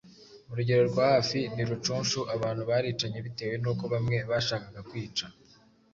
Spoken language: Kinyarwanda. Urugero rwa hafi ni Rucunshu abantu baricanye bitewe n'uko bamwe bashakaga kwica